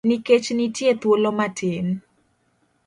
Nikech nitie thuolo matin.